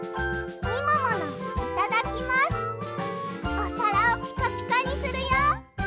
おさらをピカピカにするよ！